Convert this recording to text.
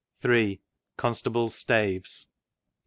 Constables' Staves.